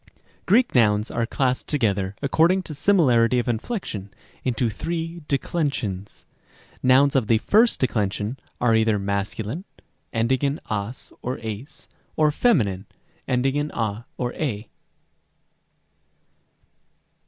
a. Greek nouns are classed together, according to similarity οἱ inflection, into three declensions. Rem. ὃ. Nouns of the first declension are either masculine, ending in as or 7s, or feminine, ending in a or ἡ.